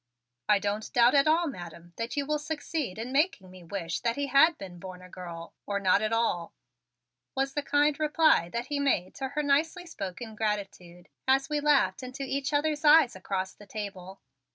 "I don't doubt at all, Madam, that you will succeed in making me wish that he had been born a girl or not at all," was the kind reply that he made to her nicely spoken gratitude as we laughed into each other's eyes across the table.